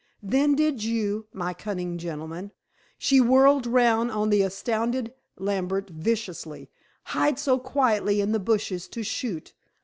Then did you, my cunning gentleman," she whirled round on the astounded Lambert viciously, "hide so quietly in the bushes to shoot.